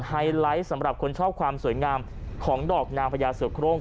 ไฮไลท์สำหรับคนชอบความสวยงามของดอกนางพญาเสือโครง